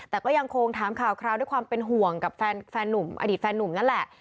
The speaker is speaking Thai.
แต่ก็ยังคงถามข่าวคราวด้วยความเป็นห่วงกับแฟนหนุ่มอดีตแฟนนุ่มนั่นแหละ